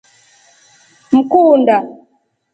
Mkuu unda.